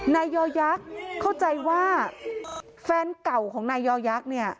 นายยอยักษ์เข้าใจว่าแฟนเก่าของนายยอยักษ์เนี่ย